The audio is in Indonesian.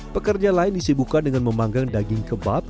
pekerja lain disibukkan dengan membanggang daging kebab